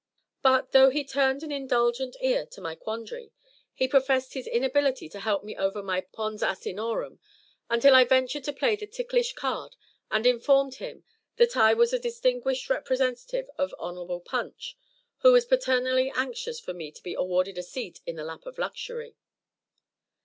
But, though he turned an indulgent ear to my quandary, he professed his inability to help me over my "pons asinorum," until I ventured to play the ticklish card and inform him that I was a distinguished representative of Hon'ble Punch, who was paternally anxious for me to be awarded a seat on the lap of luxury.